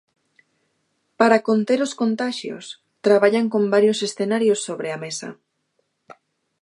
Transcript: Para conter os contaxios, traballan con varios escenarios sobre a mesa.